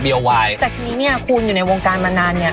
แต่ทีนี้เนี่ยคุณอยู่ในวงการมานานเนี้ย